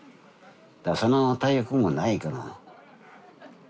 だからその体力もないから。